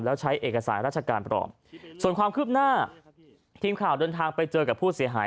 แล้วใช้เอกสารราชการปลอมส่วนความคืบหน้าทีมข่าวเดินทางไปเจอกับผู้เสียหาย